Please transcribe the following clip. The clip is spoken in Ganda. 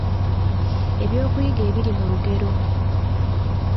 Ebyokuyiga ebiri mu lugero